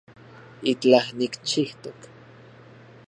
Itlaj nikchijtok